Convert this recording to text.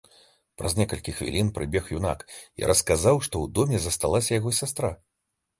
Праз некалькі хвілін прыбег юнак і расказаў, што ў доме засталася яго сястра.